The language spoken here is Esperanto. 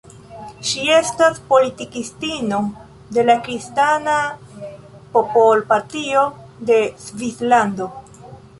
Ŝi estas politikistino de la Kristana popol-partio de Svislando.